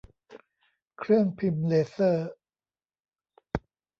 เครื่องพิมพ์เลเซอร์